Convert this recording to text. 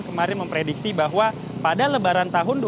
kemarin memprediksi bahwa pada lebaran tahun dua ribu dua puluh